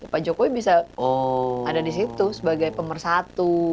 pak jokowi bisa ada di situ sebagai pemersatu